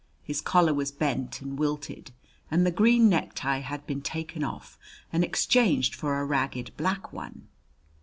His collar was bent and wilted, and the green necktie had been taken off and exchanged for a ragged black one.